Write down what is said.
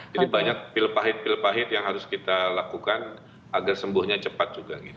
jadi banyak pil pahit pahit yang harus kita lakukan agar sembuhnya cepat juga